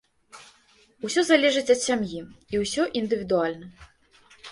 Усё залежыць ад сям'і і ўсё індывідуальна.